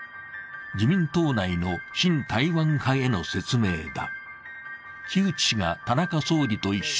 自民党内の親台湾派への説明だ。